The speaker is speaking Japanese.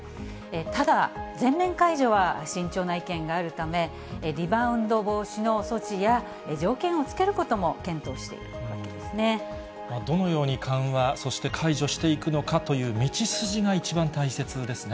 ただ、全面解除は慎重な意見があるため、リバウンド防止の措置や条件を付けることも検討しているわけですどのように緩和、そして解除していくのかという道筋が一番大切ですね。